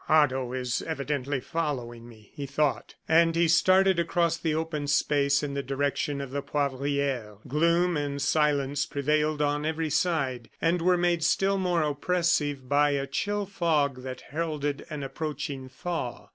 "Otto is evidently following me," he thought. And he started across the open space in the direction of the Poivriere. Gloom and silence prevailed on every side, and were made still more oppressive by a chill fog that heralded an approaching thaw.